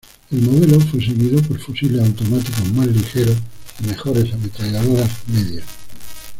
El modelo fue seguido por fusiles automáticos más ligeros y mejores ametralladoras medias.